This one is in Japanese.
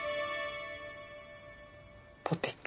ポテチ。